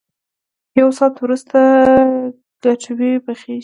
یو ساعت ورست کټوۍ پخېږي.